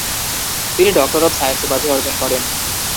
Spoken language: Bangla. তিনি ডক্টর অফ সায়েন্স উপাধি অর্জন করেন।